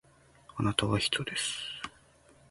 あなたは人です